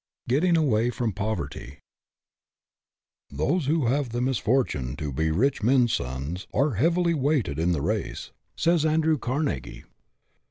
GETTING AWAY FROM POVERTY HOSE who have the misfortune to be rich men's sons are heavily weighted in the race," says Andrew Carnegie.